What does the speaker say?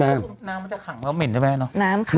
น้ำก็จะข็ังแล้วเหม็นใช่ไหม